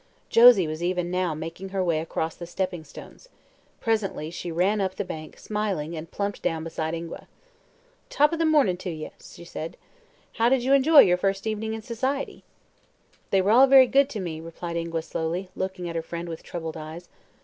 Josie was even now making her way across the stepping stones. Presently she ran up the bank, smiling, and plumped down beside Ingua. "Top o' the morning to you," said she. "How did you enjoy your first evening in society?" "They were all very good to me," replied Ingua slowly, looking at her friend with troubled eyes.